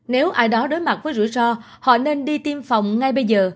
nếu ai đó đối mặt với rủi ro họ nên đi tiêm phòng ngay bây giờ